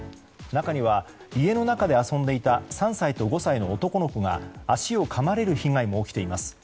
中には家の中で遊んでいた３歳と５歳の男の子が足をかまれる被害も起きています。